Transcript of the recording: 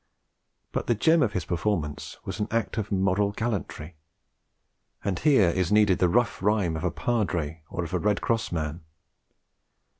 But the gem of his performance was an act of moral gallantry: and here is needed the Rough Rhyme of a Padre or of a Red Cross Man.